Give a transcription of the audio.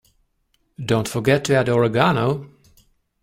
Don't forget to add Oregano.